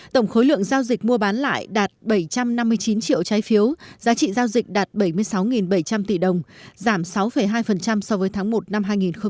tổng khối lượng giao dịch mua bán lại đạt bảy trăm năm mươi chín triệu trái phiếu giá trị giao dịch đạt bảy mươi sáu bảy trăm linh tỷ đồng giảm sáu hai so với tháng một năm hai nghìn một mươi chín